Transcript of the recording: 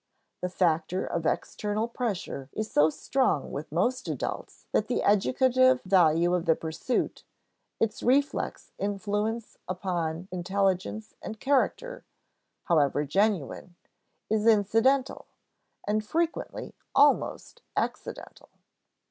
The factor of external pressure is so strong with most adults that the educative value of the pursuit its reflex influence upon intelligence and character however genuine, is incidental, and frequently almost accidental.